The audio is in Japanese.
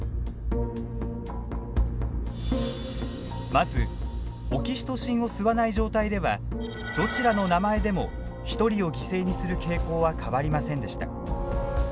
まずオキシトシンを吸わない状態ではどちらの名前でも１人を犠牲にする傾向は変わりませんでした。